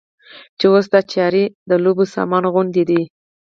چې اوس دا چارې د لوبو سامان غوندې دي.